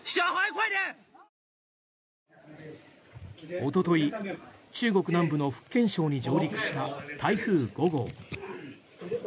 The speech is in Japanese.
おととい、中国南部の福建省に上陸した台風５号。